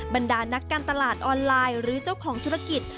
บรรดานักการตลาดออนไลน์หรือเจ้าของธุรกิจ